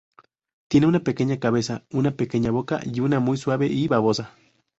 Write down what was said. Tiene una pequeña cabeza, una pequeña boca y una muy suave, y babosa.